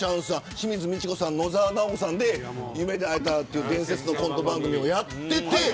清水ミチコさん、野沢直子さんで夢で逢えたらという伝説のコント番組をやっていて。